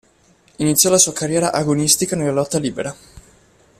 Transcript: Iniziò la sua carriera agonistica nella lotta libera.